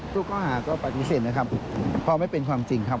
ข้อหาก็ปฏิเสธนะครับเพราะไม่เป็นความจริงครับ